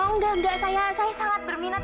oh enggak enggak saya sangat berminat